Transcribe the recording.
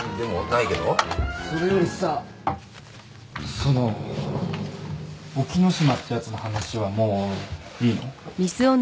それよりさその沖野島ってやつの話はもういいの？